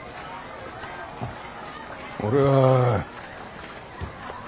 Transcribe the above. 俺は。